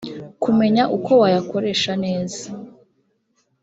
kumenya uko wayakoresha neza